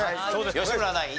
吉村ナイン